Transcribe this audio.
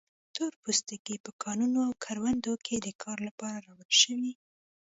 تور پوستکي په کانونو او کروندو کې د کار لپاره راوړل شوي.